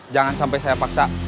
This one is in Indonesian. jangan sampai saya paksa